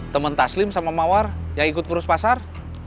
teman taslim sama mawar yang ikut ngurus pasar